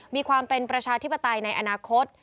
มีความเป็นประชาธิปไตยในอนาคต